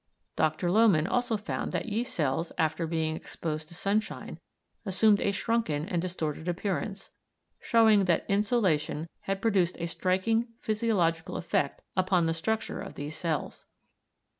Dr. Lohmann also found that yeast cells, after being exposed to sunshine, assumed a shrunken and distorted appearance, showing that insolation had produced a striking physiological effect upon the structure of these cells.